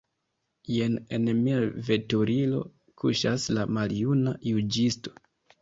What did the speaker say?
Jen en mia veturilo kuŝas la maljuna juĝisto.